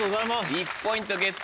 １ポイントゲット